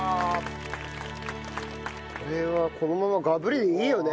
これはこのままガブリでいいよね？